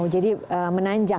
jadi menanjak ya pak ya